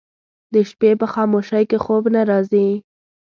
د شپې په خاموشۍ کې خوب نه راځي